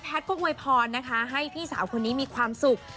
แล้วก็น้องปีใหม่เขายกเค้กมาให้